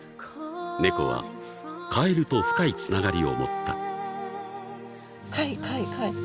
［ネコはカエルと深いつながりを持った］